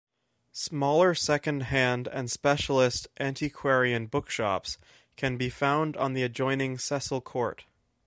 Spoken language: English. Smaller second-hand and specialist antiquarian bookshops can be found on the adjoining Cecil Court.